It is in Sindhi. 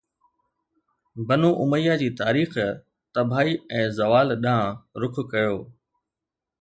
بنو اميه جي تاريخ تباهي ۽ زوال ڏانهن رخ ڪيو